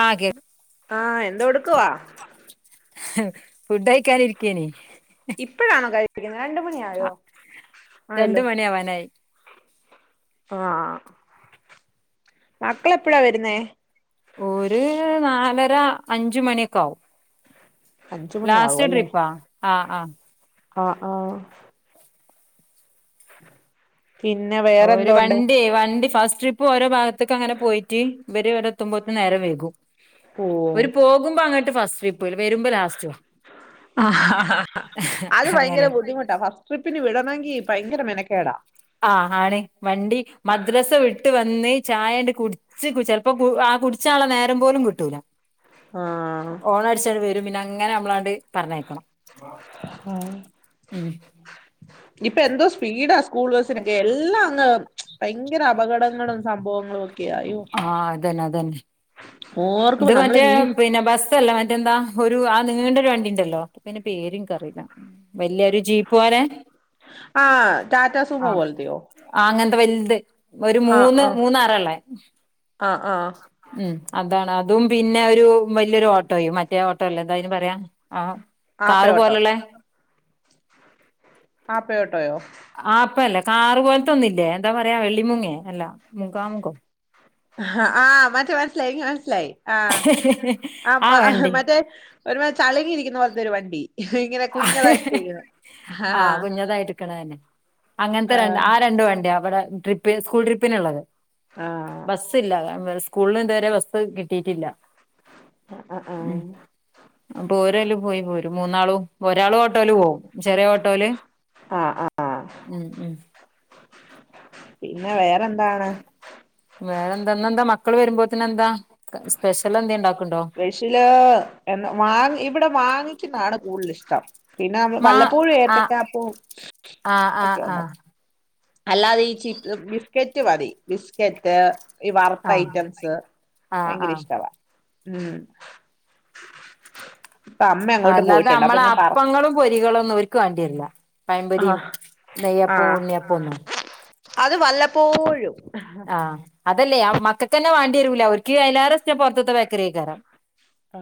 ആ ഹ് കേ ആഹ് എന്തൊടുക്കുവാ ഫുഡ് കയിക്കാനിരിക്കേനി. ഇപ്പോഴാണോ കഴരിക്കുന്നത്? രണ്ട മണി ആ, ആയോ രണ്ട് ആയല്ലോ. മണിയാവാനായി ആഹ് മക്കള എപ്പഴാ വരുന്നേ ഒരു [unintelligible] അഞ്ച് മണിയൊക്ക ആ. വും അഞ്ച്മണി ആകും അല്ലേ, ആഹ് ആഹ് ആഹ ആഹ. പിന്നെ ഓ ഒരു വേറെന്തോണ്ട് വണ്ടി വണ്ടി ഫസ് ട്രിപ്പ് ഓരോ ഭാഗത്തേക്ക്, അങ്ങെനെ പോയി്ട്ട്, ഇവര് ഇവി എത്ത്പോഴത്ത നേരം വേകൂ, ഓഹ് രു പോകുമ്പോ അങ്ങോട്ട് ഫസ്റ്റ് ട്രിപ്പ വരുമ്പോ ലാസ്റ്റ്. അത് ഭയങ്കര അങ്ങനെ ബുദ്ധിമുട്ടാ ഫസ്റ്റ് ട്രിപ്പിന് വിട [unintelligible] ഭയങ്കരം മെനക്കേടാ. ആഹ് ന്നു ചായണ്ട് കുടിച്ച്, ചപ്പോ ആ കുടിച്ച ആളെ നേരം പോലും കിട്ടൂല. ആഹ് ഓണടിച്ചാണ്ട് അങ്ങനെ നമ്മളാണ്ട് പറഞ്ഞക്കണം, ആഹ് ഉ ഇപ്പൊ എന്തോ സ്പീഡാ. സ്കൂൾ ബസിനൊക്കെ എല്ലാം അങ്ങ് ഭയങ്കര, അപകടങ്ങളും സംഭവങ്ങളും ഒക്കെ അയോ, ആഹ് അതന്നെ അതന്നെ. ഇത് ഓർക്കുമ്പോ നമ്മള് മറ്റേ വീ പിന്നെ ബസ്സല്ല മറ്റെന്താ ഒരു ആ നിണ്ടരു, ഒരു വണ്ടിണ്ടല്ലോ പിന്നെ പേരകറിയില്ല. വല്യരു ജീപോ പോലെ. ആ, ടാറ്റാ സൂമോ ആഹ് ബോലതേ. ആ അങ്ങനത്തെ വലുത് ഒരു ആഹ് മൂന്ന് ആഹ് മൂന്നല്ലേ. ആഹ് ആഹ് ഉം. അതാണ് അതും പിന്നെ ഒരു വലിയൊരു ഓട്ടോയും മറ്റേ ഓട്ടോ അല്ലേ എന്തായ്ന്, പറയ. ആഹ. കാറ് ആപ്പയോട്ടോ പോലള്ളെ ആപ്പയോട്ടോയോ? ആ അപ്പല്ല കാറ്. പോലത്തൊന്നല്ലേ എന്താ പറയാ, വെള്ളിമുങ്ങേ അല്ലാ മുഖാമുഖോ. ആ. ആ് മറ്റേ മനസലായി. മനസ്സലായി ആ്. ആ മ മറ്റേ ഒരു തളകിയിരിക്കുന്ന പോലത്തെ ഒരു വണ്ടി. ഇങ്ങനെ. കുഞ്ഞളായിട്ടി ഇരിക്കണ. ആഹ അങ്ങനത്തെണ്ട്. ആ രണ്ടു വണ്ടിയവിടെ ട്രിപ്പ് സ്കൂൾ ട്രിപ്പിനുള്ളത്. ആ ആ ബസ്യില്ല. സ്കൂള ഇതുവരെ ബസ് കിട്ടിയിട്ടില്ല. ഉ. അപ്പോ പോരല്ല പോയി പോരും മൂന്നാളും. ഒരാള് ഓട്ടോല് പോകും, ചെറിയ ഓട്ടോല്. ആ ആ ആ പിന്നെ വേറെന്താണ് വേറെ എന്തന്ന എന്താ? മക്കൾ വരുമ്പോത്തിനെ എന്താ സ്പെഷ്യൽ എന്ത ഉണ്ടാക്കു. സ്പെഷ്യല് വാങ്ങി ഇവിടെ വാങ്ങിക്കുന്നതാണ് കൂടുതൽ ഇഷ്ടം. പിന്നെ മാ നമ്മവല്ലപ്പോഴും ആഹ് ഏറ്റക്കപ്പേ ആഹ് ആഹ് ആഹ് അല്ലാതെ ഈ ചി, ബിസ്കറ്റ് മതി ബിസ്കറ്റ്. ഈ വറുത്ത ആഹ് ഐറ്റംസ് ആഹ് ഭയങ്കര ആഹ് ഇഷ്ടമാ ഉം ഇപ്പൊ അമ്മ അങ്ങോട്ട് അല്ലാതെ പോയിട്ടുണ്ട് അപ്പൊ നമ്മളെ ഞാൻ പറ അപ്പങ്ങളും പൊരികളും ഒന്നും ഓക്ക്. വേണ്ടിരില്ല പയമ്പരിയും, ആഹ് നെയ്യപ്പ ആഹ് ഉണ്ണിയപ്പന്നും. അത് വല്ലപ്പോഴും. ആഹ. അതല്ലേ മക്കൾക്ക്ന്നെ വാണ്ടി, വരൂല അവർക്കയലേറെ ഷ്ടംപൊറത്തത്തെ ബേക്കറിക്കാരം. ആ.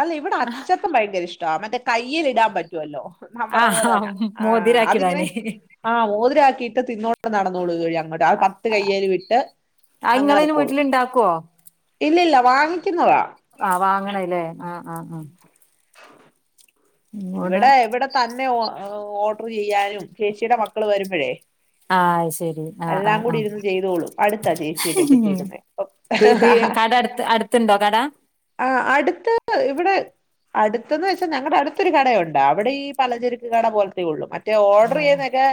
അല്ല ഇവിടെ അച്ചപ്പം ഭയങ്കര ഇഷ്ടമാ മറ്റേ കയ്ൽ ഇടാൻ പറ്റുവല്ലോ. നമ്മുടെ പോലെ ആഹ് തന്നെ. ആ അതിങ്ങനെ മോതിരാക്കിടാന് ആഹ് മോതിരാക്കിട്ട് തിന്നോണ്ട് നടന്നോളു [unintelligible] അങ്ങോട്ട്, ആ പത്ത് കയ്യേല് വിട്ട്. അയിങ്ങളയിന് വീട്ടിലിണ്ടാക്കോ ഇല്ല ഇല്ല വാങ്ങിക്കുന്നതാ ആ വാങ്ങണതല്ലേ ആ ആ ആ [inaudible] ഇവിടെ ഇവിടെ തന്നെ ഒ ഓ ഓർഡർ ചെയ്യാനും ചേച്ചിയുടെ മക്കള് വരുമ്പൊഴേ ആഹ് അത് ശരി ആഹ് എല്ലാം ആഹ് കൂടി ആഹ് ഇരുന്ന് ചെയ്തോളും അടുത്താ ചേച്ചിയെ കെട്ടിച്ചേടത്ത് ഈ കട അടുത്ത് അടുത്ത്ണ്ടോ കട ആ അടുത്ത് ഇവിടെ അടുത്തന്ന് വെച്ചാൽ ഞങ്ങടെ അടുത്തൊരു കടയുണ്ട് അവിടെ ഈ പലചരക്ക് കട പോലത്തേ ഉള്ളൂ മ റ്റേ ഓർഡർ ആഹ് ചെയ്യുന്നൊക്കെ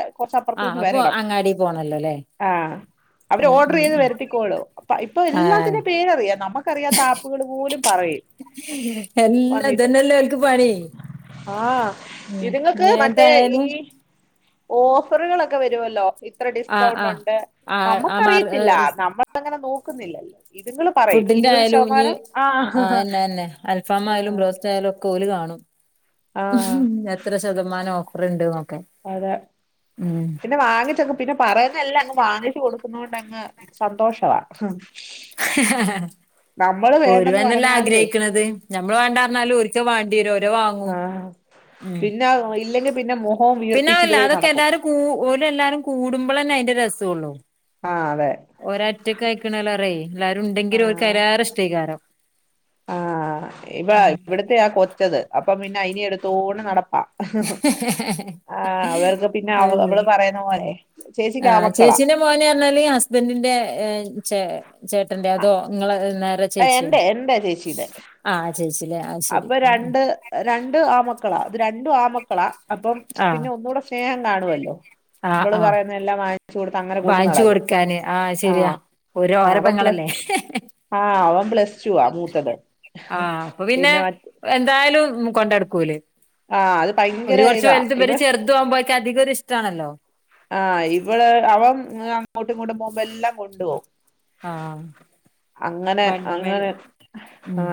ആഹ് കൊറച്ചപ്പുറത്തൂന്ന് അപ്പൊ വരണം അങ്ങാടി പോണല്ലോല്ലേ ആ അവര് ഉം ഓർഡർ ഉം ചെയ്ത് ഉം വരുത്തിക്കോളും അപ്പ ഇപ്പൊ ആഹ് എല്ലാത്തിന്റെ പേരറിയാം നമുക്കറിയാത്ത ആപ്പുകൾ പോലും പറയും എല്ല വന്നിട്ട് ഇതന്നെല്ലെ ഓൽക്ക് പണി ആ ഉം ഇതുങ്ങക്ക് ഇഞ്ഞ് മറ്റേ ഈ ഏതായാലും ഓഫറുകളൊക്കെ വരുവല്ലോ ഇത്ര ആഹ് ഡിസ്കൗണ്ട് ആഹ് ഉണ്ട് ആഹ് ആ മാർ നമ്മക്കറിയത്തില്ല നമ്മളങ്ങനെ നോക്കുന്നില്ലല്ലോ ഇതുങ്ങൾ പറയും ഫുഡിന്റെ ഇരുപത് ആയാലും ഇഞ്ഞ് ശതമാനം ആ ആഹ് അയെന്നെന്നെ അൽഫാം ആ ആയാലും ബ്രോസ്റ്റ് ആയാലും ഒക്കെ ഓല് കാണും ആ എത്ര ശതമാനം ഓഫർ ഇണ്ട്ന്നോ അതെ പിന്നെ വാങ്ങിച്ചെക്കും പിന്നെ പറയുന്നെല്ല അങ്ങ് വാങ്ങിച്ച് കൊടുക്കുന്നോണ്ട ങ്ങ് സന്തോഷവാ നമ്മള് വേണ്ടെന്ന് ഓരുതന്നല്ലെ പറഞ്ഞാലുവേ ആഗ്രഹിക്ക്ണന്ത് ഞമ്മൾ വാണ്ടാർഞ്ഞാലും ഓര് ക്ക് വാണ്ട്യേരും ഓരത് വാങ്ങും ആഹ് ഉം പിന്നെ ഇല്ലെങ്കിൽ പിന്നെ മുഖവും പിന്നെ വീർപ്പിച്ച് അതല്ല ഇതുവഴി അതൊക്കെ നടക്കും എല്ലാരും കൂ ഒരെല്ലാരും കൂടുമ്പോളെന്നെ അയിന്റെ രസം ഒള്ളൂ ആഹ് അതെ ഒരൊറ്റക്കയിക്ക്ണേലേറെ എല്ലാരുണ്ടെങ്കിൽ ഓൽക്ക് അയിലേറെ ഇഷ്ടേക്കാരം ആ ഇവ ഉം ഇവിടത്തെ ആ കൊച്ചത് അപ്പം പിന്നെ അയിനിം എടുത്തോണ്ട് നടപ്പാ ആ അവർക്ക് പിന്നെ അത് അവള് അവള് ശരി. പറയുന്ന പോലെ ആഹ് ചേച്ചിക്കാമക്കള ചേച്ചീന്റെ മോന് പർഞ്ഞാല് ഹസ്ബന്റിന്റെ ചേ ചേട്ടന്റെ അതോ ഇങ്ങളെ നേര ചേച്ചിയോ എന്റെ എന്റെ ചേച്ചീടെ ആ ചേച്ചി ല്ലേ അപ്പൊ രണ്ട് രണ്ട് ആൺ മക്കളാ ഇത് രണ്ടും ആൺ മക്കളാ അപ്പം ആഹ് പിന്നെ ഒന്നൂടെ സ്നേഹം കാണുവല്ലോ ആഹ് ഇബള് ആഹ് പറയുന്ന എല്ലാം വാങ്ങിച്ച് കൊടുത്ത് അങ്ങനെ കൊണ്ട് വാങ്ങിച്ചു നടക്കും കൊടുക്കാന് ആഹ് ആ ശരിയാ ഓര് ഓരെ പെങ്ങളല്ലേ ആ അവൻ പ്ലസ്റ്റുവാ മൂത്തത് ആഹ അപ്പൊ പിന്നെ എന്തായാലും കൊണ്ടട്ക്കൂലെ ആഹ് അത് ഓര് ഭയങ്കര കൊർച്ച് ഇതാ വൽതും ഇവ ഇവര് ചെറുതും ആകുമ്പോയൊക്കെ അധികം ഒരിഷ്ടാണല്ലോ ആ ഇവളെ അവൻ അങ്ങോട്ടും ഇങ്ങോട്ടും പോകുമ്പൊ എല്ലാം കൊണ്ടുപോവും ആഹ്. അങ്ങനെ വൺമേല് അങ്ങനെ ആ ഉം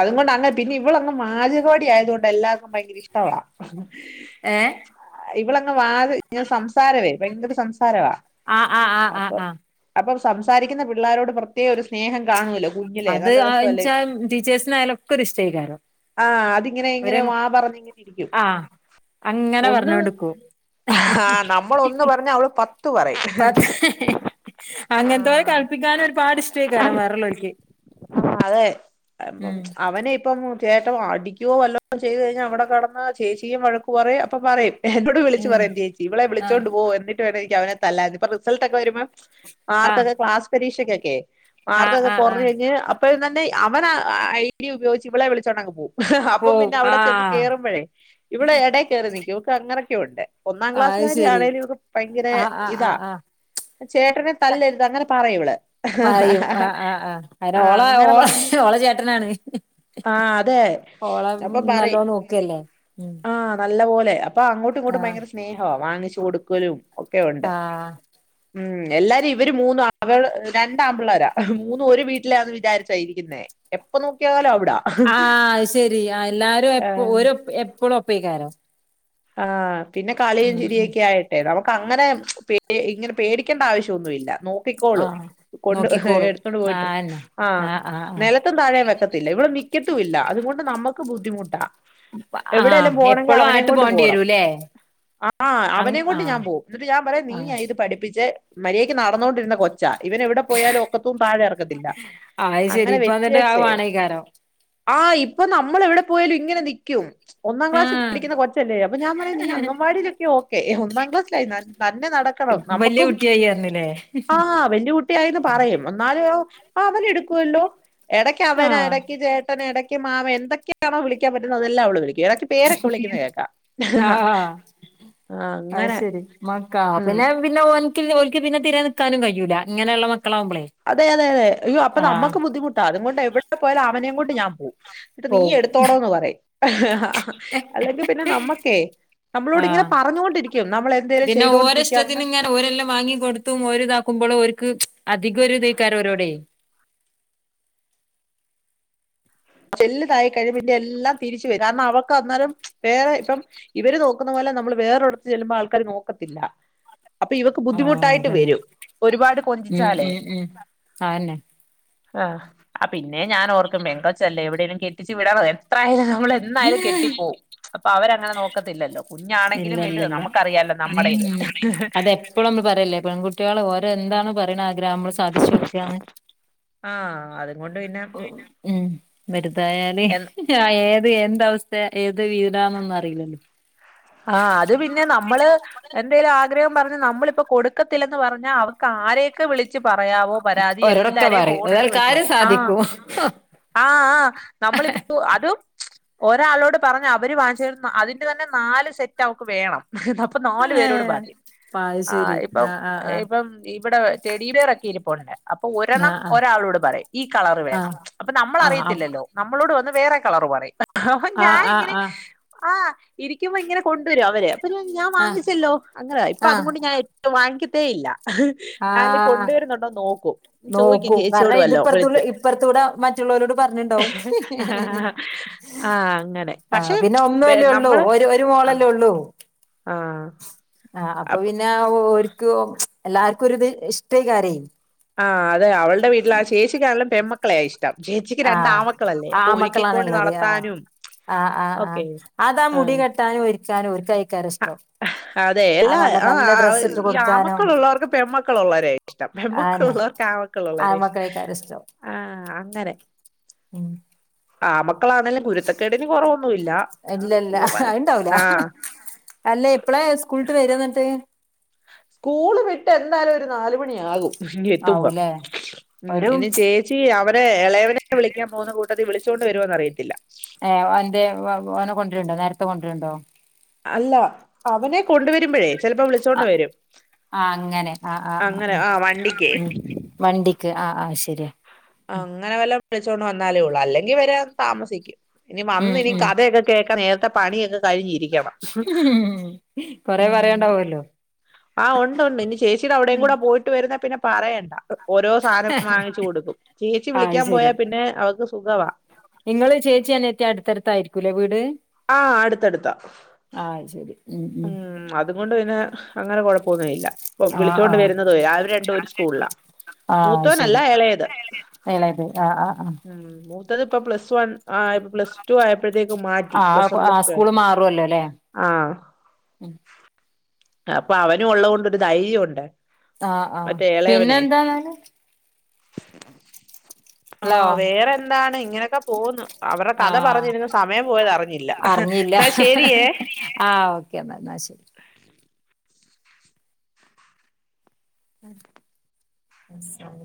അതുകൊണ്ട് അങ്ങനെ പിന്നെ ഇവളൊന്ന് വാചകമടി ആയത് കൊണ്ട് എല്ലാർക്കും ഭയങ്കര ഇഷ്ടാവളെ ഏഹ് ഇവളങ്ങ് വാ ഇങ്ങനെ സംസാരമേ ഭയങ്കര സംസാരമാ ആഹ് ആഹ് ആഹ് ആഹ് അപ്പൊ ആഹ്. അപ്പം സംസാരിക്കുന്ന പിള്ളാരോട് പ്രത്യേകം ഒരു സ്നേഹം കാണുവല്ലോ അത് അതന്നച്ചാൽ ടീച്ചേഴ്സിനായാലൊക്കൊരിഷ്ടേക്കാരം ആഹ് അതിങ്ങനെ ഇവരെ ഇങ്ങനെ വാ പറഞ്ഞിങ്ങനെ ഇരിക്കും ആ അങ്ങ ങ്ങനെ ഒന്നും പറഞ്ഞോണ്ട്ക്കും ആഹ് നമ്മളൊന്ന് പറഞ്ഞാ അവള് പത്ത് പറയും പക് അങ്ങൻത്തോലെ ആഹ് കൾപിക്കാന് ഒരുപാട് ഇഷ്ടേക്കാരം വേറെള്ളോൽക്ക് അതെ ഉം അവനെ ഇപ്പം ചേട്ടൻ അടിക്കുവോ വല്ലോ ചെയ്ത് കഴിഞ്ഞാൽ അവിടെ കെടന്ന ചേച്ചിയും വഴക്കു പറയും അപ്പ പറയും എന്നോട് വിളിച്ച് ഉം പറയും ചേച്ചി ഇവളെ ആഹ് വിളിച്ചോണ്ട് പോ എന്നിട്ട് വേണം എനിക്കവനെ തല്ലാൻ ഇപ്പം റിസൾട്ടൊക്കെ വരുമ്പം ആഹ് മാർക്കൊക്കെ ക്ലാസ് പരീക്ഷക്കൊക്കെ ആഹ് മാർക്കൊക്കെ ആഹ് കൊർഞ്ഞ് ആഹ് കഴിഞ്ഞ് അ പ്പോൾ തന്നെ അവനാ ഐഡിയ ഉപയോഗിച്ച് ഇവളെ വിളിച്ചോണ്ടങ്ങ് പോവും അപ്പം പോവും പിന്നെ അവിടെ ചെന്ന് ആഹ് കേറുമ്പോഴേ ഇവിടെ എടെ കേറി നിക്കും ഓക്ക് അങ്ങനൊക്കെയുണ്ട് ഒന്നാം അത് ക്ലാസ്സുകാരി ശരി ആണേലും ഇവക്ക് ഭയങ്കര ആഹ് ആഹ് ഇതാ ആഹ് ആഹ് ചേട്ടനെ തല്ലരുത് അങ്ങനെ പറയൂവള് ഹ് ഹ പറയും ഹ ആഹ് ആഹ് ആഹ് അയ്ന് ആ ഓള ഓ അങ്ങനെ പറഞ്ഞ് ഓളെ ചേട്ടനാണ് ആഹ് അതെ ഓളെ അപ്പൊ പറയും നല്ലോം നോക്കല്ലേ ഉം ആഹ് നല്ല പോലെ അപ്പൊ അങ്ങോട്ടും ഇങ്ങോട്ടും ആഹ് ഭയങ്കര സ്നേഹ വാങ്ങിച്ച് കൊടുക്കലും ഒക്കെ ഉണ്ട് ആ ഉം എല്ലാരും ഇവര് മൂന്ന് അവ രണ്ടാമ്പിള്ളാരാ മൂന്നും ഒരു വീട്ടിലാന്ന് വിചാരിച്ചായിരിക്കുന്നേ എപ്പൊ നോക്കിയാലോ അവിടാ ആഹ് ശെരി എല്ലാരും ഏ എപ്പ ഒരു എപ്പഴും ഒപ്പേക്കാരാ ആഹ് പിന്നെ കളിയും ചിരിയൊക്കെ ആയിട്ടെ നമുക്ക് അങ്ങനെ പേ ഇങ്ങനെ പേടിക്കേണ്ട ആവശ്യംന്നുല്ല ആ നോക്കിക്കോളും കൊണ്ട് നോക്കിക്കോളും എടുത്തോണ്ട് പോയിട്ട് ആന്നെ ആഹ് ആഹ് നിലത്തും താഴേെ വെക്കത്തില്ല ഇവള് മിക്കത്തും ഇല്ല അതുകൊണ്ട് നമുക്ക് ബുദ്ധിമുട്ടാ ആഹ് എവിടേലും ആഹ് പോണമെങ്കിൽ എപ്പളും അവനെയും ആട്ട് കൊണ്ട് പോണ്ടി ണം വരൂല്ലേ ആ അങ് അവനെ കൊണ്ട് ഞാൻ ആഹ് പോം എന്നിട്ട് ഞാൻ പറയും ആഹ് നീയാ ഇത് പഠിപ്പി ച്ച മര്യാദക്ക് നടന്നുകൊണ്ടിരുന്ന കൊ ച്ച ഇവന് എവിടെ പോയാലും ഒക്കത്തുന്ന് താഴെ ഇറക്കത്തില്ല അങ്ങനെ വെച്ച് വെച്ചേ ആ [unintelligible] ആ ഇപ്പൊ നമ്മള് എവിടെ പോയാലും ഇങ്ങനെ നിക്കും ഒന്നാം ക്ലാസ്സിൽ ആഹ് പഠിക്കുന്ന കൊച്ച അപ്പൊ ഞാൻ പറയും നീ അങ്കൻവാടിയിലൊക്കെ ഓക്കെ ഒന്നാം ക്ലാസ്സായി തന്നെ നടക്കണം വല്യ നമുക്കും കുട്ടിയായി പറഞ്ഞില്ലേ ആഹ് വെല്യ കുട്ടിയായിന്ന് പറയും എന്നാലും അവൻ എടുക്കുവല്ലോ എടക്ക് അവന് ആഹ് എടക്ക് ചേട്ടൻ എടക്ക് ക്ക്‌ മാമൻ എന്തൊക്കയാണോ വിളിക്കാൻ പറ്റുന്നത് അതെല്ലാം അവള് വിളിക്കും എടക്ക് പേരൊക്കെ വിളിക്കുന്നത് കേൾക്കാം ആഹ് ആഹ് അത് അങ്ങനെ ശരി മക്കാ ഉം പിന്നാ പിന്നെ നമരിക്കല പിന്നെ തിരേ നിൽക്കാനും കഴൂല്ല ഇങ്ങനെയുള്ള മക്ക്‌ അതെ അതെ അതെ അയ്യോ അപ്പ നമുക്ക് ബുദ്ധിമുട്ടാ അതൊകൊണ്ട് എവിടെ പോയാലും അവനെയും കൊണ്ട് ഞാൻ പോവും എന്നിട്ട് നീ പോവും എടുത്തോണോന്ന് പറയും ഹ ഹ ഹ് അല്ലെങ്കിൽ പിന്നെ നമ്മക്കേ നമ്മളോട് ഇങ്ങനെ ആഹ് പറഞ്ഞുകൊണ്ടിരിക്കും നമ്മൾ എന്തേലും പിന്നെ ചെയ്തോണ്ടിരിക്കും അങ്ങനെ ഓരഷ്ടത്തിനും ങ്ങനെ ഓരെല്ലാം വാങ്ങി കൊടുത്തും ഓരിതാക്കും മ്പോൾ ഓര്ക്ക് അധികം ഒരുതക്കാരോ ഓരോടെ വെല്ലു തായി കഴിയുമ്പോ പിന്നെ എല്ലാം തിരിച്ച് വരും കാരണം അവൾക്ക് അന്നരം മ് ച്ച് വേറെ ഇപ്പം ഇവര് നോക്കുന്ന പോല നമ്മള് വേറൊറിടത്ത് ചെല്ലുമ്പോൾ ആൾക്കാര് നോക്കത്തില്ല അപ്പൊ ഇവക്ക് ആഹ് ബുദ്ധിമുട്ടായിട്ട് അതന്നെ വരും ഒരുപാട് ഉം കൊഞ്ചിച്ചാലേ ഉം ഉം അതന്നെ ആഹ് ആ പിന്നെ ഞാൻ ഓർക്കും പെങ്കൊച്ചല്ലേ എവിടേലും കെട്ടിച്ച് വിടണം എത്രായാ നമ്മൾ എന്തായാലും കെട്ടിപ്പോവും അപ്പൊ അവരങ്ങനെ നോക്കത്തില്ലല്ലോ ഇല്ല കുഞ്ഞാണെങ്കിലും ഇല്ല വലുത് ഇല്ല നമുക്കറിയാലോ നമ്മുടെ ഇത് ഇഹ് ഹ് പറല്ലേ പെൺകുട്ടികള് ഓരെന്താണ് പറ ണ ആഗ്രഹം നമ്മള് സാധിച്ചു കൊടുക്കുകാണ് ആഹ് അതും കൊണ്ട് പിന്നെ ഉം വരുതായല് ഏത് എന്ത അവസ്ഥ ഏത് വീടാന്നൊന്നും അറിയില്ലല്ലോ ആഹ് അത് പിന്നെ നമ്മള് എന്തേലും ആ ആഗ്രഹം പറഞ്ഞാ നമ്മളിപ്പൊ കൊടുക്കത്തില്ലന്ന് പറഞ്ഞാൽ അവക്ക് ആരെയൊക്കെ വിളിച്ച് പറയാവോ പരാതി ഓരോടൊക്കെ എല്ലാരെയും പറയും ഫോൺ എടുത്ത് ഏതായാലും വിളിച്ചു കാര്യം പറയും ആ സാധിക്കും ആഹ് ആ നമ്മളിപ്പോ അതും മ് ച്ച് ഒരാളോട് പറഞ്ഞ് അവര് വാങ്ങിച്ചോണ്ട് അതിന്റെ തന്നെ നാല് സെറ്റ് അവക്ക് വേണം ഹ് ഹ് അപ്പൊ നാലു പേരോട് ഏഹ് പറയും അത് ആ ശരി ഇപ്പം ആഹ് ആഹ് ഇപ്പം ഇവിടെ വെ ടെഡിബീരൊക്കെയിരിപ്പോണ്ട് അപ്പൊ ആഹ് ഒരെണം ആഹ് ഒരാളോട് പറയും ഈ കളറ് വേണം ആഹ് മ് അപ്പൊ നമ്മൾ ആഹ് ആഹ് അറിയത്തില്ലല്ലോ നമ്മളോട് വന്ന് വേറെ കളർ പറയും അപ്പൊ ആഹ് ആഹ് ഞാനിങ്ങനെ ആ ഇരിക്കുമ്പോ ഇങ്ങനെ കൊണ്ടുവരും അവര് ഞാൻ ആഹ് വാങ്ങിച്ചല്ലോ അങ്ങനെയ ഇപ്പൊ ആഹ് ആഹ് അതുകൊണ്ട് ഞാൻ ഏറ്റവും വാങ്ങിക്കത്തേ ഇല്ല ആരേലും ആഹ് കൊണ്ടുവരുന്നുണ്ടോന്ന് നോക്കും ചോദിക്കും നോക്കും കാരണം ഇത് ചേച്ചിയോടുവല്ലോം ഇപ്പറത്തൂടെ വിളിച്ച് ഇപ്പറത്തൂടെ മറ്റുള്ളവരോട് പറഞ്ഞിണ്ടാവും ആഹ് അങ്ങനെ പക്ഷെ മ് ച്ച് ബെ നമ്മള് ആഹ് ലൊള്ളൂ. ആഹ് ആഹ് അപ്പൊ പിന്നെ ഓര്ക്ക്, എല്ലാർക്കൊരിത് ഇഷ്ടേ കാരെ? ആഹ് അതെ അവൾടെ വീട്ടില്, ആ ചേച്ചിക്കാണെലും പെമ്മക്കളെ യാ ഇഷ്ടം. ട്ടം. ചേച്ചിക്ക് രണ്ട് ആഹ് ആമക്കളല്ലേ? പ്പൊ ഒരുക്കിക്കൊണ്ട് ആമക്കളാണുള്ളത് ആഹ് നടത്താനും, ആഹ് ആഹ് ആഹ് ഓക്കെ അതാ മുടി, ആഹ് കെട്ടാനും ഒരുക്കാനും ഓര്ക്കേകാരം ഇഷ്ടം അതെ ആ എല്ലാ നല്ല നല്ല ആഹ് ഡ്രസ്സ് ഇട്ട് ഈ കൊടുക്കാനും ആമക്കളുള്ളവർക്ക് പെമക്കളു ള്ളവരെ യാഷ്ടം പെമ്മക്കൾ ളു ആന്നെ ള്ളർക് ആമക്കളുള്ളവരെ ഇഷ്ടം, ആൺമക്കളേക്കാരം ഇഷ്ടം ആഹ അങ്ങനെ. ഉം. ആമക്കളാന്നേലും കുരുത്തക്കേടിന് കൊറവൊന്നുല്ല. ഇവമ്മാരെ ആഹ അല്ലേ എപ്പളാ സ്കൂളിട്ട് വരാ ന്നിട്ട്? സ്കൂള് വിട്ട് എന്തായാലും ഒരു നാല് മണിയാകും എത്തുമ്പ. ആവൂലേ ഉം ഒരു ഇനി ചേച്ചി അവരെ എ ളയവനെ വിളിക്കാൻ പോകുന്ന കൂട്ടത്തി വിളി ച്ചോണ്ട് വരോന്ന് അറിയത്തില്ല ഏഹ് എന്തേ വെ, ഓനെ കൊണ്ട്‌റിണ്ടോ? നേരത്തെ കൊണ്ട്റിണ്ടോ? അല്ല അവനെ കൊണ്ടുവര്മ്പഴേ ചെലപ്പോ ആ വിളിച്ചോണ്ട് വരും. ആ അങ്ങനെ ആ ആ അങ്ങനെ ആ വണ്ടിക്കേ? ക്കെ. ആഹ്, ശരിയാ അങ്ങനെ വല്ലോം വിളിച്ചോണ്ട് വന്നാലേ ഒള്ളൂ, അല്ലെങ്കി വരാൻ താമസിക്കും. ഇനി ഉം വന്നിനി ഉം കഥയൊക്കെ കേക്കാൻ നേരത്തെ പണിയൊക്കെ കഴിഞ്ഞിരിക്കും ഹ്മ് കൊറെ പറയണ്ടാവോല്ലോ? ആഹ് ഒണ്ട്, ഒണ്ട് ഇനി ചേച്ചിടെ അവിടേം കൂടെ പോയിട്ട് വരുന്നെ പിന്നെ പറയണ്ട ഓരോ സാധനം വാങ്ങിച് കൊടുക്കും ചേച്ചി ആ അത് വിളിക്കാൻ ശരി പോയാ പിന്നെ അവക്ക് സുഖവാ നിങ്ങള് ചേച്ചി അനിത്തി അടുത്തടുത്തായിയിരിക്കൂല്ലേ വീട്? ആഹ് അടുത്തടുത്താ. ആ അത് ശരി ഉം അത് പി അതുകൊണ്ട് പിന്നെ അങ്ങനെ കൊഴപ്പൊന്നുല്ല. ഇപ്പം ആ ആ വിളിച്ചൊണ്ട് വരുന്നത് വരെ അവര് രണ്ടു ഒര് സ്കൂൾലാ ആ മൂത്തവനല്ല ശരി എളയത്. എളയത് ആ ആ ആ ഉം മൂത്തത് ഇപ്പൊ പ്ലസ് വൺ ആ ഇപ്പ പ്ലസ് ടു ആയപ്പോഴത്തേക്ക് മാറ്റി ആ പ്ലസ് വൺ ആ പ്ലസ് ടു ആയപ്പോ ആ. ഉം അപ്പൊ അവനും ഒള്ളത് കൊണ്ടൊരു ധൈര്യ ഒണ്ട്. ആആപിന്നെ എന്താണ്? ആ ഹലോ വേറെന്താണ് ഇങ്ങനെയൊക്കെ പോവുന്ന്. ആ അറിഞ്ഞില്ല എന്നാ ശരിയേ ആ ഓക്കേ ന്ന ന്നാ ശരി. ഉം [unintelligible]